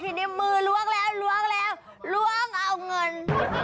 ทีนี้มือล้วงแล้วล้วงเอาเงิน